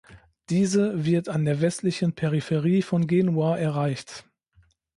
Diese wird an der westlichen Peripherie von Genua erreicht.